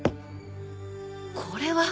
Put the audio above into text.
これは。